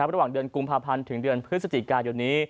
ระหว่างเดือนกุมภาพันธ์ถึงเดือนพฤศจิกายนนี้